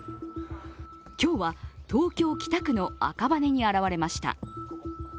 今日は東京・北区・赤羽に現れました。